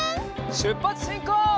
しゅっぱつしんこう！